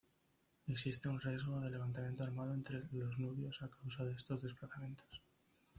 Existe un riesgo de levantamiento armado entre los nubios a causa de estos desplazamientos.